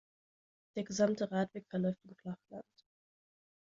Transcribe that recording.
Der gesamte Radweg verläuft im Flachland.